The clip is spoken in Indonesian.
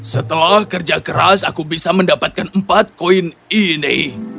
setelah kerja keras aku bisa mendapatkan empat koin ini